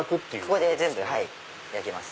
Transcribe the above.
ここで全部焼きます。